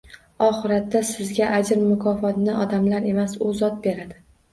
Oxiratda sizga ajr-mukofotni odamlar emas, U zot beradi.